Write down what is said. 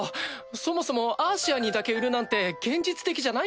そもそもアーシアンにだけ売るなんて現実的じゃないよ。